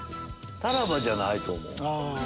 タラバじゃないと思う。